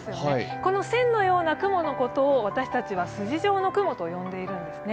この線のような雲のことを私たちは筋状の雲と呼んでいるんですね。